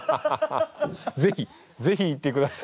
ぜひぜひ行ってください。